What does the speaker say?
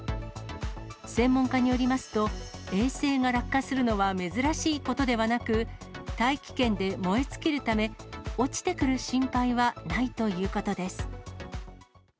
専門家によりますと、衛星が落下するのは珍しいことではなく、大気圏で燃え尽きるため、落ちてくる心配はないということです。